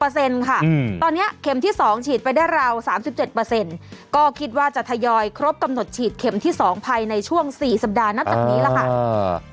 ตอนนี้เข็มที่๒ฉีดไปได้ราว๓๗ก็คิดว่าจะทยอยครบกำหนดฉีดเข็มที่๒ภายในช่วง๔สัปดาห์นับจากนี้แล้วค่ะ